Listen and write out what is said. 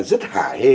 rất hạ hê